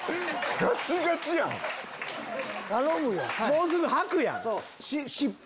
もうすぐ吐くやん。